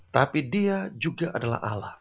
tapi dia juga adalah alam